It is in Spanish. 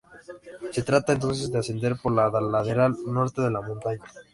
Se trata entonces de ascender por la ladera norte de la montaña.